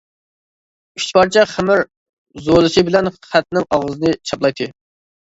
ئۈچ پارچە خېمىر زۇۋۇلىسى بىلەن خەتنىڭ ئاغزىنى چاپلايتتى.